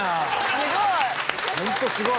すごい！